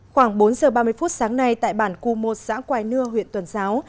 khoảng bốn giờ ba mươi phút sáng nay tại bản cù một xã quài nưa huyện tuần giáo